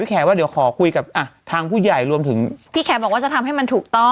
แขกว่าเดี๋ยวขอคุยกับทางผู้ใหญ่รวมถึงพี่แขกบอกว่าจะทำให้มันถูกต้อง